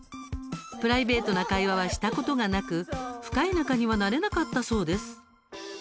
プライベートな会話はしたことがなく深い仲にはなれなかったそうです。